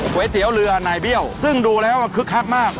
๋วเตี๋ยวเรือนายเบี้ยวซึ่งดูแล้วคึกคักมาก